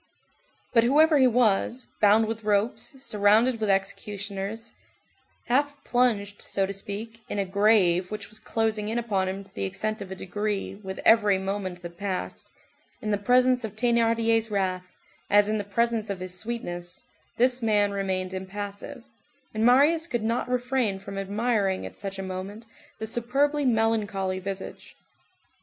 But whoever he was, bound with ropes, surrounded with executioners, half plunged, so to speak, in a grave which was closing in upon him to the extent of a degree with every moment that passed, in the presence of Thénardier's wrath, as in the presence of his sweetness, this man remained impassive; and Marius could not refrain from admiring at such a moment the superbly melancholy visage.